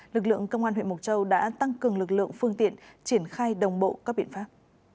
lực lượng công an huyện mộc châu đã tăng cường lực lượng phương tiện triển khai đồng bộ các biện pháp